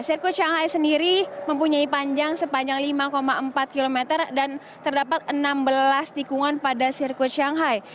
sirkuit shanghai sendiri mempunyai panjang sepanjang lima empat km dan terdapat enam belas tikungan pada sirkuit shanghai